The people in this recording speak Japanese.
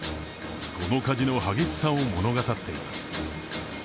この火事の激しさを物語っています。